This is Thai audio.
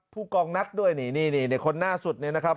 พู่กองนักด้วยนี่ในคนหน้าสุดนี่ครับ